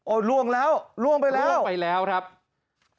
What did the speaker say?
โอ้ยล่วงแล้วล่วงไปแล้วล่วงไปแล้วครับล่วงไปแล้ว